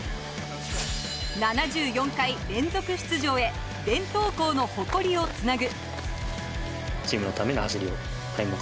７４回連続出場へ、伝統校の誇りをつなぐ。